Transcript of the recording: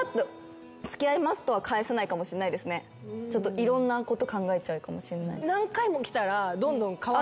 いろんなこと考えちゃうかもしんない。